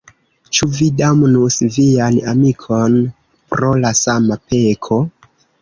Ĉu vi damnus vian amikon pro la sama peko?